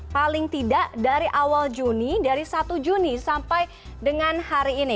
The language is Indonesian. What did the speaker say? paling tidak dari awal juni dari satu juni sampai dengan hari ini